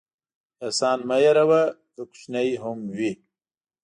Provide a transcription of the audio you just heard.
احسان مه هېروه، که کوچنی هم وي.